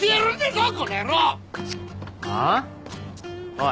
おい。